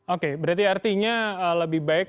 oke berarti artinya lebih baik